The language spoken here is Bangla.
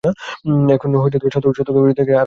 এখন সত্যকে খুঁজিতেছি, আর ফাঁকি নয়।